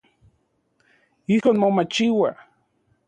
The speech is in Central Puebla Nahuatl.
Ijkon mamochiua.